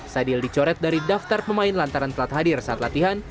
sadil dicoret dari daftar pemain lantaran telat hadir saat latihan